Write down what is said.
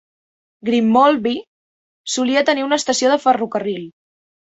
Grimoldby solia tenir una estació de ferrocarril.